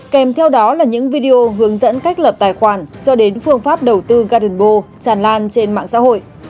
kèm theo đó là những video hướng dẫn cách lập tài khoản cho đến phương pháp đầu tư gardenbo tràn lan trên mạng xã hội